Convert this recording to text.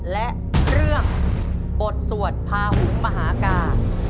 และเรื่องบทสวดพาหุงมหากา